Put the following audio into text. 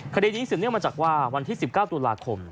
คดีนี้สืบเนื่องมาจากว่าวันที่๑๙ตุลาคม